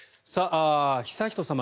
悠仁さま